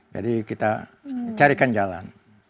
jadi kita carikan jalan